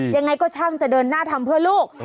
ยังไงก็ช่างจะเดินหน้าทำเพื่อลูก